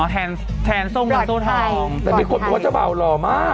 แทนส้มประตูทองปลอดภัยปลอดภัยแต่มีคนบอกว่าเจ้าบ่าวหล่อมาก